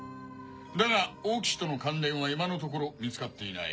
だが大木との関連は今のところ見つかっていない。